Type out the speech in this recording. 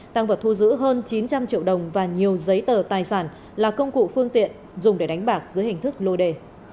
tăng vật thu giữ hơn chín trăm linh triệu đồng và nhiều giấy tờ tài sản là công cụ phương tiện dùng để đánh bạc dưới hình thức lô đề